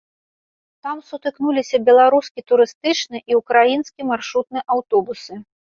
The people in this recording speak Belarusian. Там сутыкнуліся беларускі турыстычны і ўкраінскі маршрутны аўтобусы.